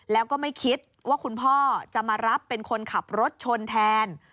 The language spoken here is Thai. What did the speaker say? แล้วก็ไม่คิดว่าคุณพ่อจะมารับเป็นคนขับรถชนแทน